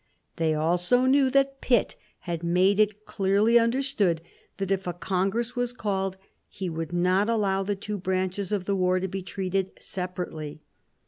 They also knew that Pitt had made it clearly understood that if a congress were called he would not allow the two branches of the war to be treated separately.